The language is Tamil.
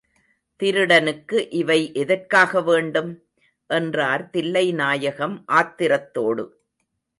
திருடனுக்கு இவை எதற்காக வேண்டும்? என்றார் தில்லைநாயகம் ஆத்திரத்தோடு.